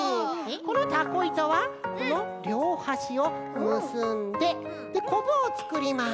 このたこいとはこのりょうはしをむすんでこぶをつくります。